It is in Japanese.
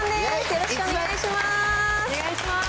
よろしくお願いします。